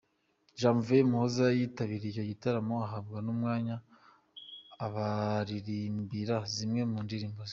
Janvier Muhoza yitabiriye icyo gitaramo ahabwa n'umwanya abaririmbira zimwe mu ndirimbo ze.